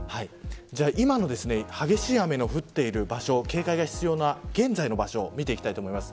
今の激しい雨の降っている場所警戒が必要な現在の場所を見ていきます。